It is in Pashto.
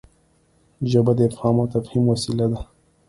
ژبه د افهام او تفهيم وسیله ده.